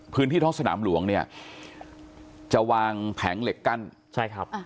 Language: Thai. พื้นที่ท้องสนามหลวงเนี่ยจะวางแผงเหล็กกั้นใช่ครับ